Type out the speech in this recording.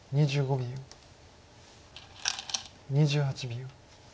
２８秒。